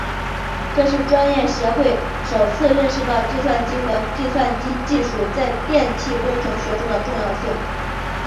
这是专业协会首次认识到计算机和计算机技术在电气工程学中的重要性。